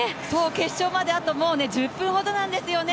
決勝まであと１０分ほどなんですよね。